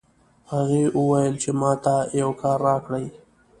هغې وویل چې ما ته یو کار راکړئ